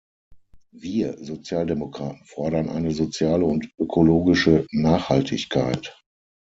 Wir Sozialdemokraten fordern eine soziale und ökologische Nachhaltigkeit.